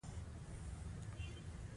نو له دې کبله هغوی باید ډیر محتاط وي.